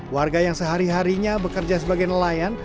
warga yang sehari harinya bekerja sebagai nelayan